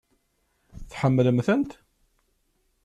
Tḥemmlem-tent?